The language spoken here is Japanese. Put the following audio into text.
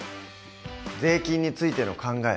税金についての考え